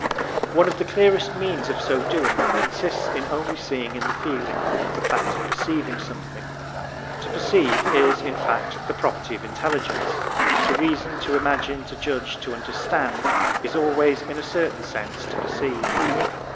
One of the clearest means of so doing consists in only seeing in the feeling the fact of perceiving something. To perceive is, in fact, the property of intelligence; to reason, to imagine, to judge, to understand, is always, in a certain sense, to perceive.